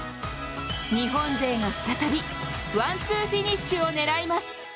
日本勢が再びワンツーフィニッシュを狙います。